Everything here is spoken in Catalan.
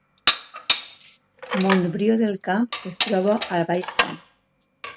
Montbrió del Camp es troba al Baix Camp